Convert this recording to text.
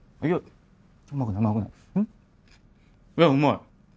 いやうまい。